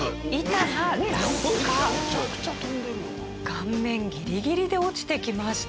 顔面ギリギリで落ちてきました。